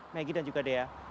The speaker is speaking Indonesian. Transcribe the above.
megi dan juga dea